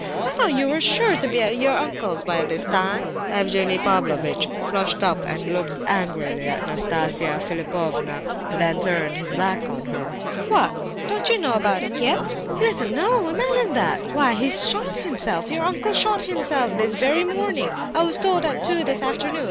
I thought you were sure to be at your uncle's by this time." Evgenie Pavlovitch flushed up and looked angrily at Nastasia Philipovna, then turned his back on her. "What! don't you know about it yet? He doesn't know—imagine that! Why, he's shot himself. Your uncle shot himself this very morning. I was told at two this afternoon.